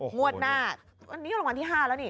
งวดหน้าอันนี้รางวัลที่๕แล้วนี่